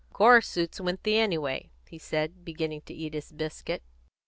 "Gore suits Winthy, anyway," he said, beginning to eat his biscuit.